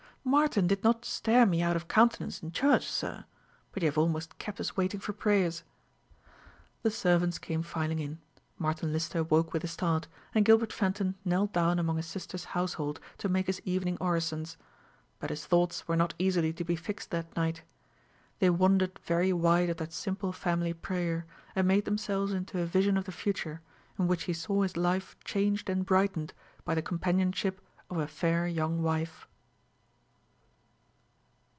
"Martin did not stare me out of countenance in church, sir. But you have almost kept us waiting for prayers." The servants came filing in. Martin Lister woke with a start, and Gilbert Fenton knelt down among his sister's household to make his evening orisons. But his thoughts were not easily to be fixed that night. They wandered very wide of that simple family prayer, and made themselves into a vision of the future, in which he saw his life changed and brightened by the companionship of a fair young wife.